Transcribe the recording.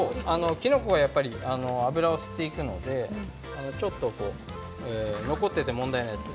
きのこはやっぱり脂を吸っていくのでちょっと残っていて問題ないです。